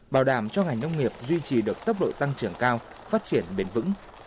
bảo đảm cho ngành nông nghiệp duy trì được tốc độ tăng trưởng cao phát triển bền vững